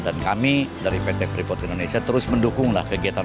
dan kami dari pt privat indonesia terus mendukung lah kegiatan